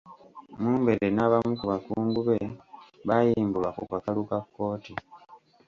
Mumbere n'abamu ku bakungu be baayimbulwa ku kakalu ka kkooti.